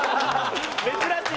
珍しい！